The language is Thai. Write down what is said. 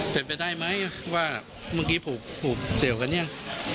เป็นไปได้ไหมว่าเมื่อกี้ผูกเสี่ยวกันเนี่ย